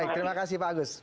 terima kasih pak agus